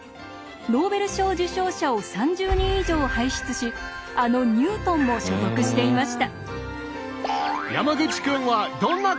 ノーベル賞受賞者を３０人以上輩出しあのニュートンも所属していました。